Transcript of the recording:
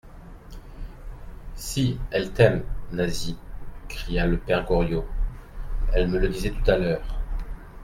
Si, elle t'aime, Nasie, cria le père Goriot, elle me le disait tout à l'heure.